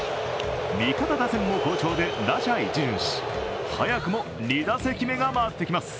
味方打線も好調で打者一巡し早くも２打席目が回ってきます。